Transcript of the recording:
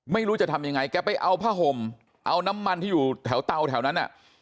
ไม่รู้จะทำยังไงแกไปเอาผ้าห่มเอาน้ำมันที่อยู่แถวเตาแถวนั้น